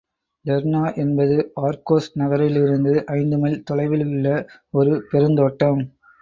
Lerna என்பது Argos நகரிலிருந்து ஐந்து மைல் தொலைவிலுள்ள ஒரு பெருந்தோட்டம்.